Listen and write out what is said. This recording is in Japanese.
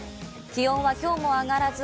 気温は今日も上がらず、